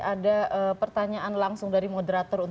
ada pertanyaan langsung dari moderator